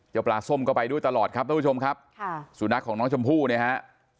เจ๊าปลาส้มเข้าไปด้วยตลอดครับทุกผู้ชมครับสุนัขของน้องชมพู่นะครับ